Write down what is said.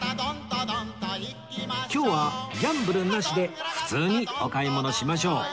今日はギャンブルなしで普通にお買い物しましょう